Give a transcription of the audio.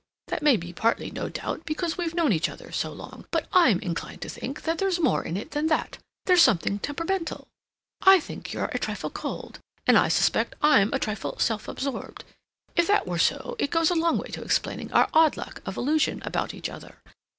That may be partly, no doubt, because we've known each other so long; but I'm inclined to think there's more in it than that. There's something temperamental. I think you're a trifle cold, and I suspect I'm a trifle self absorbed. If that were so it goes a long way to explaining our odd lack of illusion about each other.